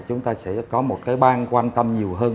chúng ta sẽ có một cái bang quan tâm nhiều hơn